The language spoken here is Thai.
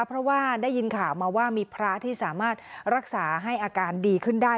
เพราะว่าได้ยินข่าวมาว่ามีพระที่สามารถรักษาให้อาการดีขึ้นได้